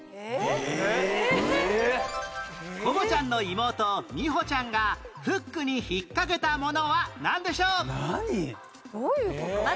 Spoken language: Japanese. コボちゃんの妹ミホちゃんがフックに引っかけたものはなんでしょう？何！？